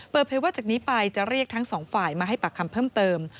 ว่าจากนี้ไปจะเรียกทั้งสองฝ่ายมาให้ปากคำเพิ่มเติม